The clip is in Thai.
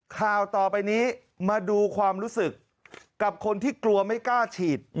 ข่าวต่อไปนี้มาดูความรู้สึกกับคนที่กลัวไม่กล้าฉีด